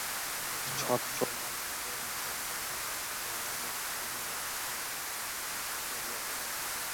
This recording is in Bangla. ছত্রমাণিক্য ঈষৎ অপ্রতিভ হইয়া মুখ ফিরাইয়া চলিয়া গেলেন।